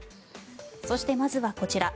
そして、まずはこちら。